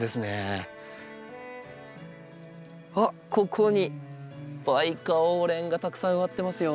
あっここにバイカオウレンがたくさん植わってますよ。